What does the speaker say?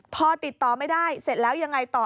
พอติดต่อไม่ได้เสร็จแล้วยังไงต่อ